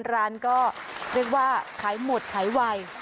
ร้านก็เรียกว่าขายหมดขายไว